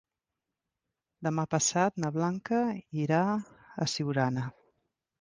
Demà passat na Blanca irà a Siurana.